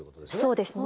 そうですね。